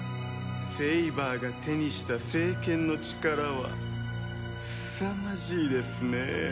セイバーが手にした聖剣の力はすさまじいですねえ。